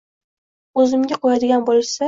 O‘zimga qo‘yadigan bo‘lishsa